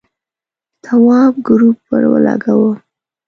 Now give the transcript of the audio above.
تواب گروپ ور ولگاوه.